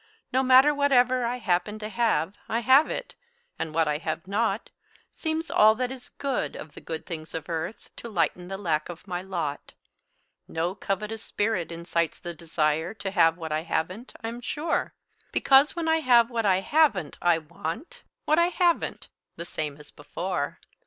No matter whatever I happen to have, I have it; and what I have not Seems all that is good of the good things of earth To lighten the lack of my lot. No covetous spirit incites the desire To have what I haven't, I'm sure; Because when I have what I haven't, I want What I haven't, the same as before.